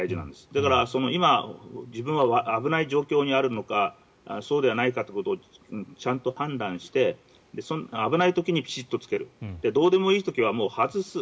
だから、今自分は危ない状況にあるのかそうではないかっていうことをちゃんと判断して危ない時にきちっと着けるどうでもいい時は、もう外す。